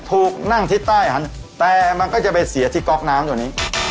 ถูกนั่งที่ใต้หันแต่มันก็จะไปเสียที่ก๊อกน้ำตัวนี้